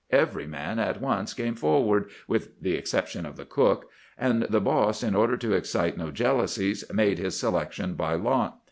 Every man at once came forward, with the exception of the cook; and the boss, in order to excite no jealousies, made his selection by lot.